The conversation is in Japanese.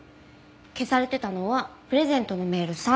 消されてたのはプレゼントのメール３通だけ。